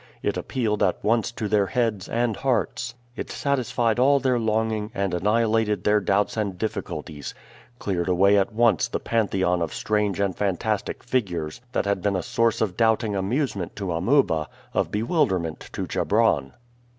It appealed at once to their heads and hearts. It satisfied all their longing and annihilated their doubts and difficulties; cleared away at once the pantheon of strange and fantastic figures that had been a source of doubting amusement to Amuba, of bewilderment to Chebron.